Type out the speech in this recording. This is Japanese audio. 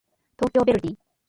東京ヴェルディ